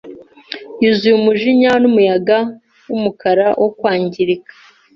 yuzuye umujinya Numuyaga wumukara wo kwangirika